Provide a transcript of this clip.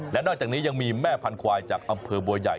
และนอกจากนี้ยังมีแม่พันธวายจากอำเภอบัวใหญ่